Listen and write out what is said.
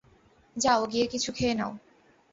যাও গিয়ে কিছু খেয়ে নাও।